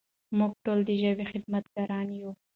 موږ ټول د ژبې خدمتګاران یو.